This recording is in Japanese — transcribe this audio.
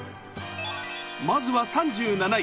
まずは３７位。